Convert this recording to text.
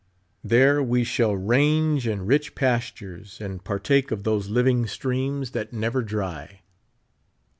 There we shall range in rich i)astures and partake of those living streams that 82 never dry.